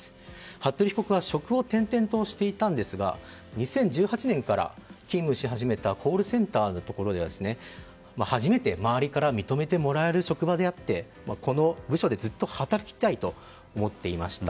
服部被告は職を転々としていたんですが２０１８年から勤務し始めたコールセンターでは初めて、周りから認めてもらえる職場であってこの部署でずっと働きたいと思っていました。